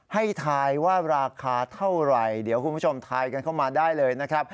ทายว่าราคาเท่าไหร่เดี๋ยวคุณผู้ชมทายกันเข้ามาได้เลยนะครับ